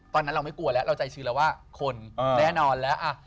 ตอนนั้นเราไม่กลัวแล้วเราใจชื้นแล้วว่าคนแน่นอนแล้ว